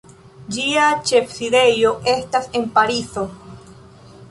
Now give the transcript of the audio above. Ĝia ĉefsidejo estas en Parizo.